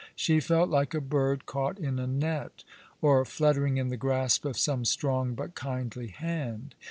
She felt like a bird caught in a net, or fluttering in the grasp of some strong but kindly hand.